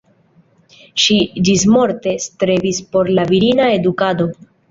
Ŝi ĝismorte strebis por la virina edukado.